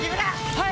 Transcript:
はい！